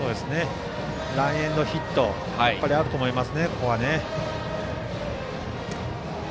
ランエンドヒットがあると思います。